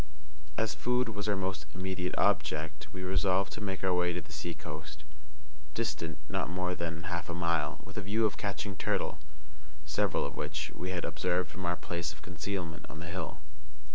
As food was our most immediate object, we resolved to make our way to the seacoast, distant not more than half a mile, with a view of catching turtle, several of which we had observed from our place of concealment on the hill.